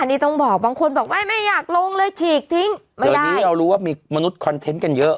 อันนี้ต้องบอกบางคนบอกไม่ไม่อยากลงเลยฉีกทิ้งไม่ได้อันนี้เรารู้ว่ามีมนุษย์คอนเทนต์กันเยอะ